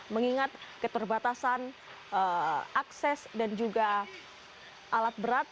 mengingat keterbatasan akses dan juga alat berat